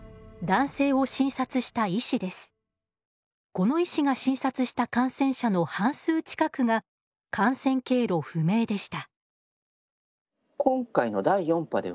この医師が診察した感染者の半数近くが感染経路不明でした。